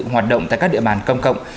hoạt động tại các địa bàn công cộng